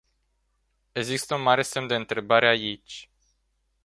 Există un mare semn de întrebare aici.